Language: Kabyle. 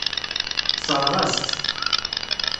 Tessṛeɣ-as-tt.